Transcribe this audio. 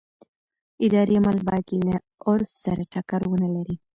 اداري عمل باید له عرف سره ټکر ونه لري.